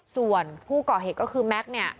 ส่วนผู้ก่อเหตุก็คือแม็กซ์เนี่ย